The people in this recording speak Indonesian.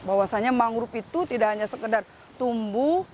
bahwasannya mangrove itu tidak hanya sekedar tumbuh